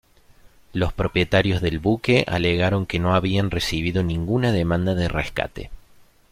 Los propietarios del buque alegaron que no habían recibido ninguna demanda de rescate.